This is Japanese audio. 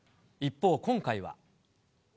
一方、今回は。